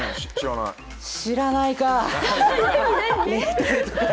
知らないか。